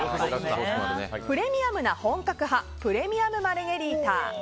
プレミアムな本格派プレミアム・マルゲリータ